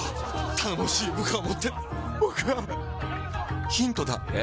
頼もしい部下を持って僕はヒントだ。え？